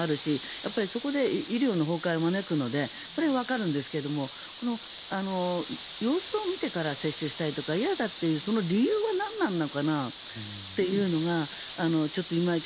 やっぱりそこで医療の崩壊を招くのでわかるんですけども様子を見てから接種したいとか嫌だっていう理由は何なのかなっていうのがちょっといまいち